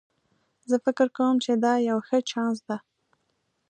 زه فکر کوم چې دا یو ښه چانس ده